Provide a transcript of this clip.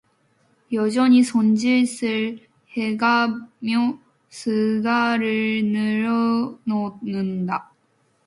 여전히 손짓을 해가며 수다를 늘어놓는다.